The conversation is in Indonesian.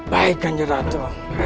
baik kanjeng ratu